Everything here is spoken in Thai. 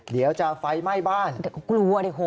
เดี๋ยวจะไฟไหม้บ้านเด็กก็กลัวเด็กโห